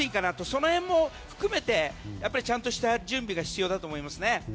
その辺も含めてちゃんとした準備が必要だと思いますね。